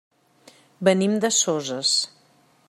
Venim de Soses.